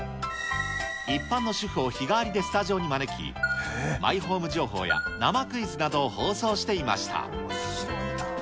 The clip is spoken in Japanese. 一般の主婦を日替わりでスタジオに招き、マイホーム情報や生クイズなどを放送していました。